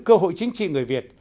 cơ hội chính trị người việt